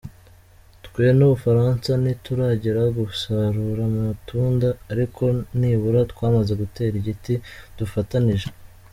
Twe n’Ubufaransa ntituragera gusarura amatunda, ariko nibura twamaze gutera igiti dufatanije.